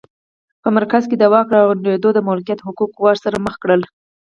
په مرکز کې د واک راغونډېدو د ملکیت حقوق ګواښ سره مخ کړل